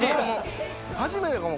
初めてかも。